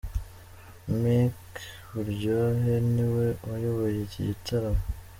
Mc Buryohe ni we wayoboye iki gitaramo.